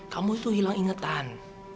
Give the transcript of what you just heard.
kamu itu hilang ingetan